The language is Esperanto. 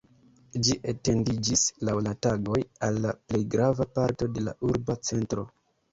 Ĝi etendiĝis, laŭ la tagoj, al la plej grava parto de la urba centro.